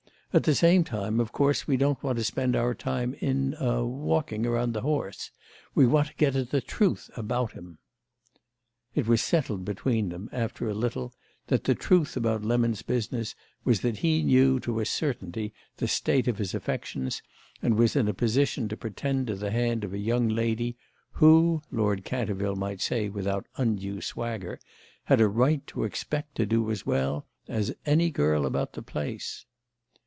At the same time, of course, we don't want to spend our time in—a—walking round the horse. We want to get at the truth about him." It was settled between them after a little that the truth about Lemon's business was that he knew to a certainty the state of his affections and was in a position to pretend to the hand of a young lady who, Lord Canterville might say without undue swagger, had a right to expect to do as well as any girl about the place.